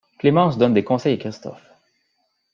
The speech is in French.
Clémence donne des conseils à Christophe.